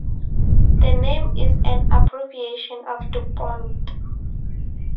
The name is an abbreviation of DuPont.